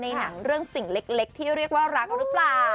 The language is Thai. หนังเรื่องสิ่งเล็กที่เรียกว่ารักหรือเปล่า